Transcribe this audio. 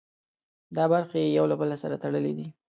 دا برخې یو له بل سره تړلي دي.